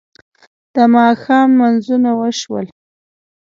د ماښام لمونځونه وشول.